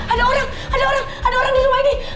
ada orang ada orang di rumah ini